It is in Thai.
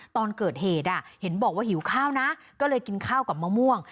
ตอนเกิดเหตุเห็นบอกว่าหิวข้าวนะก็เลยกินข้าวกับมะม่วง